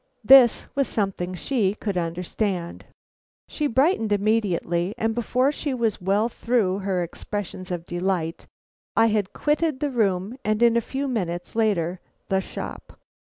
This was something she could understand. She brightened immediately, and before she was well through her expressions of delight, I had quitted the room and in a few minutes later the shop.